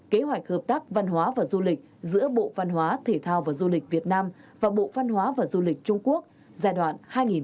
một mươi một kế hoạch hợp tác văn hóa và du lịch giữa bộ văn hóa thể thao và du lịch việt nam và bộ văn hóa và du lịch trung quốc giai đoạn hai nghìn hai mươi ba hai nghìn hai mươi bảy